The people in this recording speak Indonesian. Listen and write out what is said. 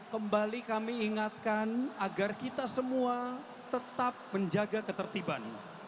kembali kami ingatkan agar kita semua tetap menjaga ketertiban